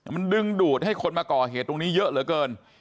มันดึงดูดให้คนมาก่อเหตุตรงนี้เยอะเหลือเกิน